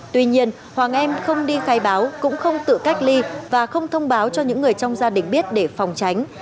tuy nhiên hoàng em không đi khai báo cũng không tự cách ly và không thông báo cho những người trong gia đình biết để phòng tránh